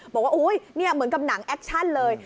อุ๊ยนี่เหมือนกับหนังแอคชั่นเลย